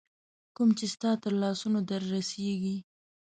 کوم چي ستا تر لاسونو در رسیږي